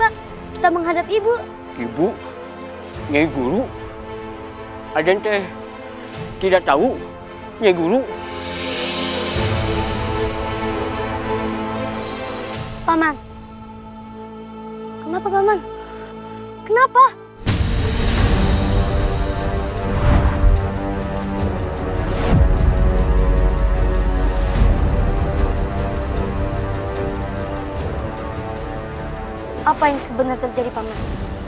apa yang sebenarnya terjadi pak man